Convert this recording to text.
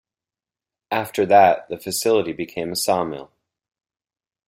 After that the facility became a sawmill.